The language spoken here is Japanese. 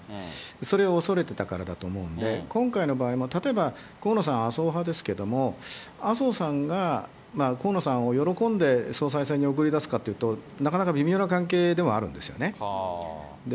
それを恐れてたからだと思うんで、今回の場合も例えば、河野さん、麻生派ですけども、麻生さんが河野さんを喜んで総裁選に送り出すかっていうと、なかなか微妙な関係ではあるんですよね。